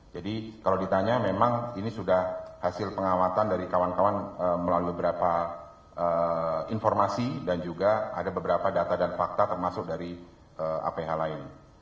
jadi kalau ditanya memang ini sudah hasil pengawatan dari kawan kawan melalui beberapa informasi dan juga ada beberapa data dan fakta termasuk dari aph lain